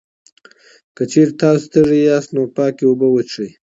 که چېرې تاسو تږی یاست، نو پاکې اوبه وڅښئ.